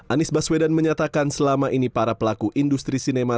anies baswedan menyatakan selama ini para pelaku industri cinema